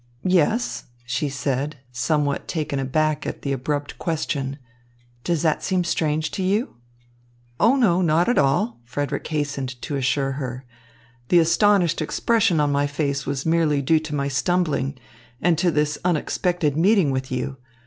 "Yes," she said, somewhat taken aback at the abrupt question. "Does that seem strange to you?" "Oh, no, not at all," Frederick hastened to assure her. "The astonished expression on my face was merely due to my stumbling and to this unexpected meeting with you.